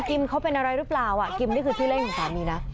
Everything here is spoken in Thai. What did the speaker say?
เขาเป็นอะไรหรือเปล่ากิมนี่คือที่เล่นของสามีนะ